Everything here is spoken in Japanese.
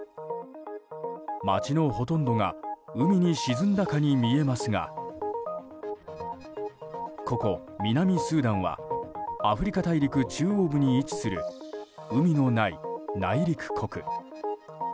街のほとんどが海に沈んだかに見えますがここ、南スーダンはアフリカ大陸中央部に位置する海のない内陸国。